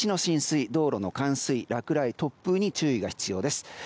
道路の冠水、落雷、突風に注意が必要です。